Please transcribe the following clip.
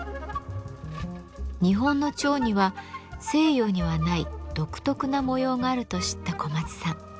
日本の蝶には西洋にはない独特な模様があると知った小松さん。